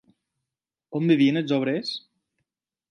On vivien els obrers?